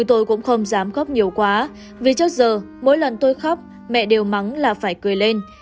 tôi cũng không dám góp nhiều quá vì chốt giờ mỗi lần tôi khóc mẹ đều mắng là phải cười lên